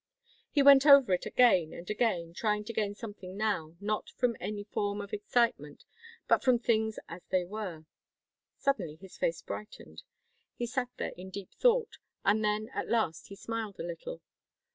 He went over it again and again, trying to gain something now, not from any form of excitement, but from things as they were. Suddenly his face brightened. He sat there in deep thought, and then at last he smiled a little.